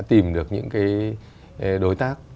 tìm được những cái đối tác